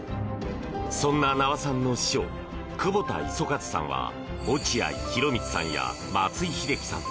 そんな名和さんの師匠久保田五十一さんは落合博満さんや松井秀喜さん